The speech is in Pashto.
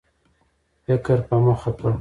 فکر په مخه کړ.